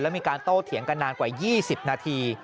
มีการโต้เถียงกันนานกว่า๒๐นาที